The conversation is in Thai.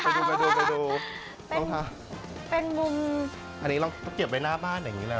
ไปดูไปดูลองทาเป็นมุมอันนี้ลองเขาเก็บไว้หน้าบ้านอย่างงี้เลย